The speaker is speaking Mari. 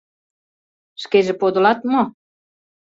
— Шкеже подылат мо?